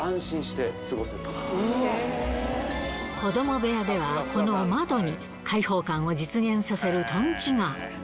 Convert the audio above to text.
部屋ではこの窓に、開放感を実現させるとんちが。